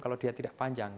kalau dia tidak panjang